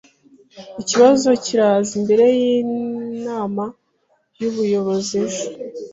Ikibazo kiraza imbere yinama yubuyobozi ejo.